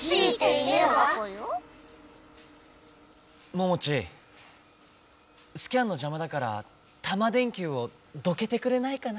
モモチースキャンのじゃまだからタマ電Ｑをどけてくれないかな？